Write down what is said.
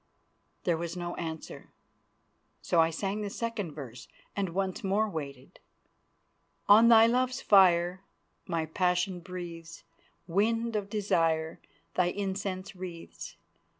There was no answer, so I sang the second verse and once more waited. "On thy love's fire My passion breathes, Wind of Desire Thy incense wreathes.